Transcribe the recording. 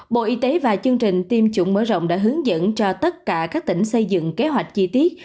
bộ y tế và chương trình tiêm chủng mở rộng đã hướng dẫn cho tất cả các tỉnh xây dựng kế hoạch chi tiết